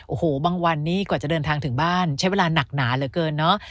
โอ้โหบางวันนี้กว่าจะเดินทางถึงบ้านใช้เวลาหนักหนาเหลือเกินเนอะ